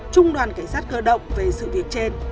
trung đoàn cảnh sát cơ động về sự việc trên